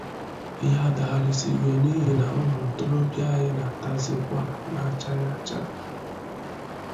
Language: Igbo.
ihe adagharịsịgo n'ihi na ụmụ ntorobịa anyị na-atazịkwa na-achaghị acha